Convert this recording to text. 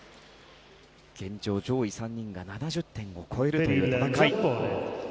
現状上位３人が７０点を超えるレベルの戦い。